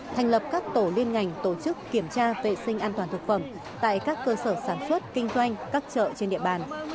thành lập các tổ liên ngành tổ chức kiểm tra vệ sinh an toàn thực phẩm tại các cơ sở sản xuất kinh doanh các chợ trên địa bàn